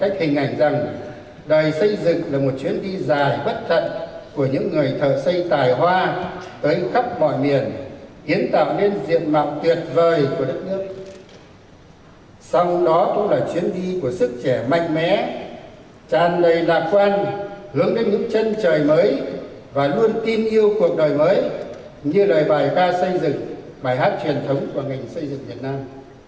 hãy đề bài ca xây dựng bài hát truyền thống của ngành xây dựng việt nam